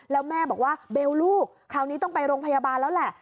แล้วแม่บอกว่าเบลลูกคราวนี้ต้องไปโรงพยาบาลแล้วแหละ